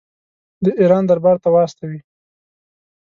د ایران دربار ته واستوي.